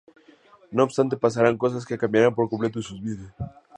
No obstante pasarán cosas que cambiarán por completo sus vidas.